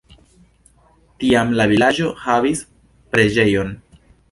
Tiam la vilaĝo havis preĝejon.